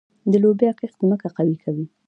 د لوبیا کښت ځمکه قوي کوي.